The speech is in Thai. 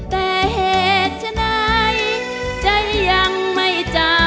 แต่เหตุฉันในเจ้ายังไม่จำ